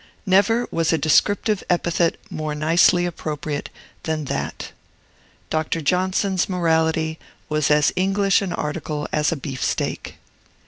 Never was a descriptive epithet more nicely appropriate than that! Dr. Johnson's morality was as English an article as a beefsteak.